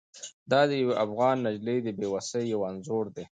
دا د یوې افغانې نجلۍ د بې وسۍ یو انځور دی.